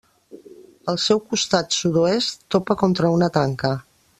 El seu costat sud-oest topa contra una tanca.